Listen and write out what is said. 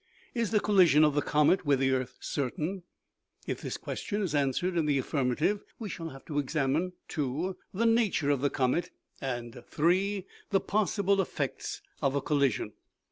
Is the col lision of the comet with the earth certain ? If this question is answered in the affirmative, we shall have to examine : 2. The nature of the comet, and, 3, the possible effects of a collision.